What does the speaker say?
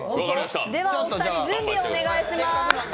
では、お二人、準備をお願いします。